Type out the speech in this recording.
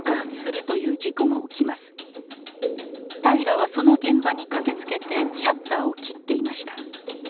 平良はその現場に駆けつけてシャッターを切っていました。